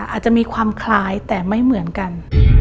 อาจจะมีความคล้ายแต่ไม่เหมือนกัน